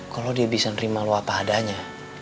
kalau dia bisa nerima lu apa adanya